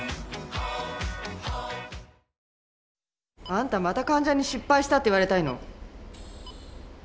あんたまた患者に失敗したって言われたいの？